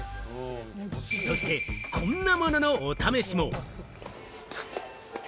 そして、こんなものの試しも。